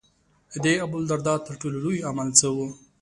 د ابوالدرداء تر ټولو لوی عمل څه و.